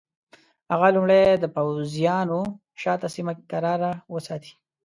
هغه لومړی د پوځیانو شاته سیمه کراره وساتي.